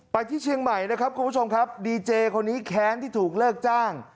ที่เชียงใหม่นะครับคุณผู้ชมครับดีเจคนนี้แค้นที่ถูกเลิกจ้าง